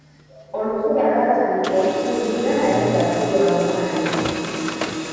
Olukuba lwatandika okufuuyirira naye nga ssi lwamaanyi.